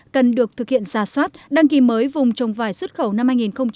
cần được thực hiện giả soát đăng ký mới vùng trồng vải xuất khẩu năm hai nghìn hai mươi